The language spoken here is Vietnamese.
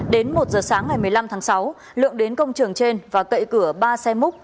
đến một giờ sáng ngày một mươi năm tháng sáu lượng đến công trường trên và cậy cửa ba xe múc